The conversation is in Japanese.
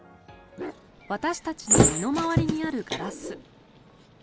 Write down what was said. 私たちの身の回りにあるガラス。